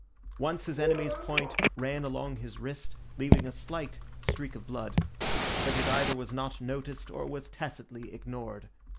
Once his enemy's point ran along his wrist, leaving a slight streak of blood, but it either was not noticed or was tacitly ignored.